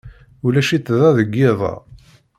Ulac-itt da deg yiḍ-a.